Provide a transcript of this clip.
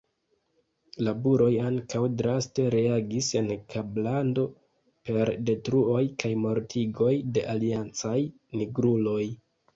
La buroj ankaŭ draste reagis en Kablando per detruoj kaj mortigoj de aliancaj nigruloj.